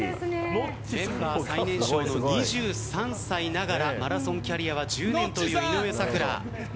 メンバー最年少の２３歳ながらマラソンキャリアは１０年という井上咲楽。